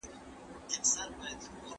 لوړ به خپل ملي نښان کړو